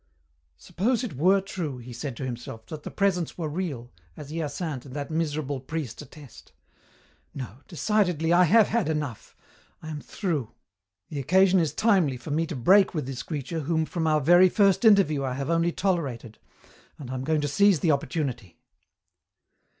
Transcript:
"Suppose it were true," he said to himself, "that the Presence were real, as Hyacinthe and that miserable priest attest No, decidedly, I have had enough. I am through. The occasion is timely for me to break with this creature whom from our very first interview I have only tolerated, and I'm going to seize the opportunity."